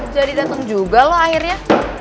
jadi dateng juga lo akhirnya